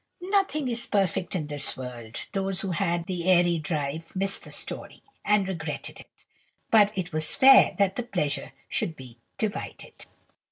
Nothing is perfect in this world. Those who had the airy drive missed the story, and regretted it; but it was fair that the pleasure should be divided.